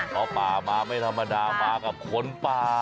เพราะป่ามาไม่ธรรมดามากับคนป่า